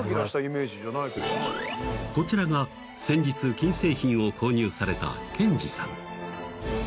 こちらが先日金製品を購入された賢治さん